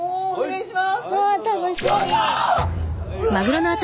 お願いいたします。